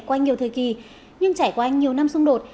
qua nhiều thời kỳ nhưng trải qua nhiều năm xung đột